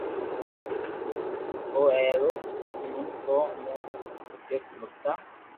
او اي رو وجھ مون ڪو امون نو گفٽ مڪتا